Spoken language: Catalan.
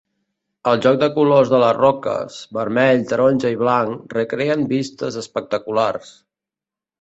El joc de colors de les roques, vermell, taronja i blanc, recreen vistes espectaculars.